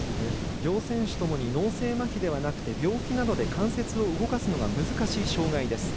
両選手ともに脳性まひではなくて病気によって関節を動かすのが難しい障がいです。